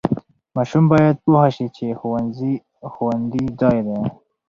ماشوم باید پوه شي چې ښوونځي خوندي ځای دی.